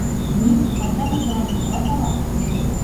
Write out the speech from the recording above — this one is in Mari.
— Мий, ачамыт тыланет пуат ала...